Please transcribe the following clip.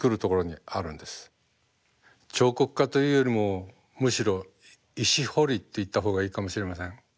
彫刻家というよりもむしろ石彫りと言った方がいいかもしれません。